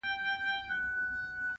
چي له ما تلې نو قدمونو کي کراره سوې~